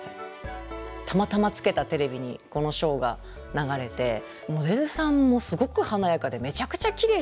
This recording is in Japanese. たまたまつけたテレビにこのショーが流れてモデルさんもすごく華やかで「めちゃくちゃきれいじゃない！」と。